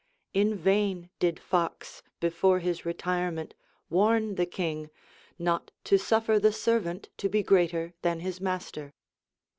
In vain did Fox, before his retirement, warn the king "not to suffer the servant to be greater than his master."